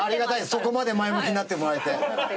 そこまで前向きになってもらえて。